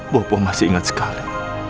bobo masih ingat sekali